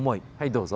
どうぞ。